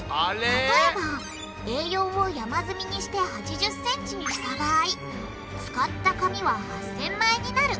例えばＡ４を山積みにして８０ｃｍにした場合使った紙は８０００枚になる。